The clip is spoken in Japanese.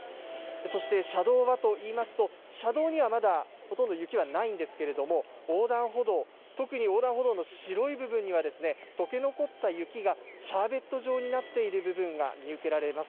そして車道はといいますと車道にはまだほとんど雪はないんですけれども特に横断歩道の白い部分にはとけ残った雪がシャーベット状になっている部分が見受けられます。